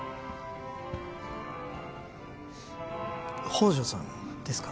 宝条さんですか？